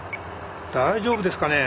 大丈夫ですかね？